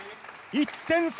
１点差。